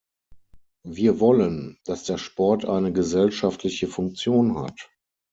Wir wollen, dass der Sport eine gesellschaftliche Funktion hat.